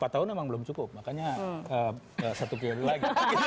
empat tahun memang belum cukup makanya satu periode lagi